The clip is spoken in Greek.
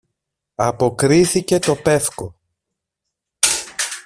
αποκρίθηκε το πεύκο.